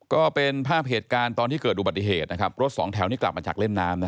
ก็เป็นภาพเหตุการณ์ตอนที่เกิดอุบัติเหตุนะครับรถสองแถวนี้กลับมาจากเล่นน้ำ